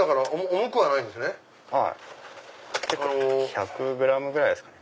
１００ｇぐらいですかね。